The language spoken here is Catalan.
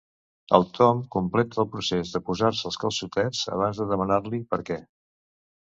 El Tom completa el procés de posar-se els calçotets abans de demanar-li per què.